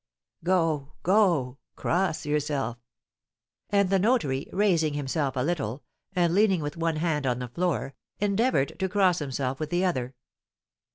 Go, go cross yourself!" And the notary, raising himself a little, and leaning with one hand on the floor, endeavoured to cross himself with the other.